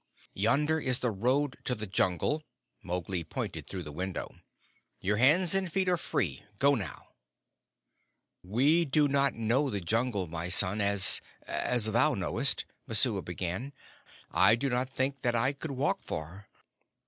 "Yonder is the road to the Jungle" Mowgli pointed through the window. "Your hands and feet are free. Go now." "We do not know the Jungle, my son, as as thou knowest," Messua began. "I do not think that I could walk far."